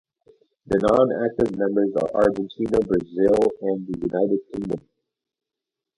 The non-active members are Argentina, Brazil, and the United Kingdom.